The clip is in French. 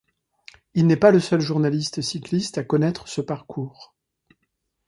Il n'est pas le seul journaliste cycliste à connaître ce parcours.